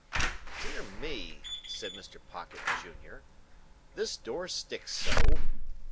"Dear me!" said Mr. Pocket, Junior. "This door sticks so!"